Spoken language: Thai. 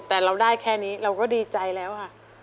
แต่เราได้แค่นี้เราก็ดีใจแล้วค่ะ